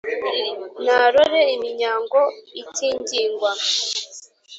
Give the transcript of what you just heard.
narore iminyago itingingwa,